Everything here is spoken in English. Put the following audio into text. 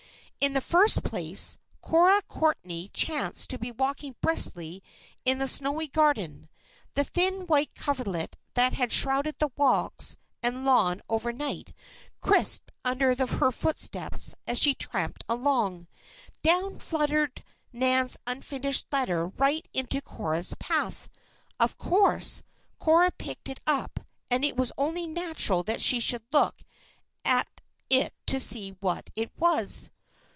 In the first place, Cora Courtney chanced to be walking briskly in the snowy garden. The thin white coverlet that had shrouded the walks and lawn overnight, crisped under her footsteps as she tramped along. Down fluttered Nan's unfinished letter right in Cora's path. Of course, Cora picked it up and it was only natural that she should look at it to see what it was.